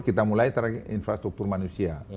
kita mulai infrastruktur manusia